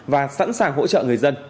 và sẵn sàng hỗ trợ người dân